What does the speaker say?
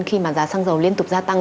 khi mà giá xăng dầu liên tục gia tăng